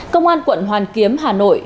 công an quận hoàn kiếm hà nội